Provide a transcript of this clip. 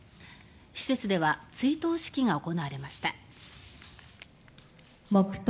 施設では追悼式が行われました。